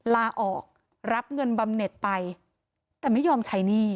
ลาออกรับเงินบำเน็ตไปแต่ไม่ยอมใช้หนี้